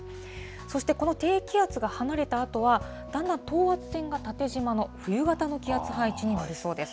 そしてこの低気圧が離れたあとは、だんだん等圧線が縦じまの冬型の気圧配置になりそうです。